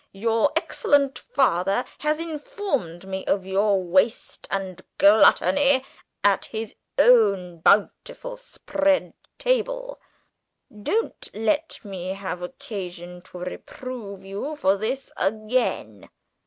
Your excellent father has informed me of your waste and gluttony at his own bountifully spread table. Don't let me have occasion to reprove you for this again."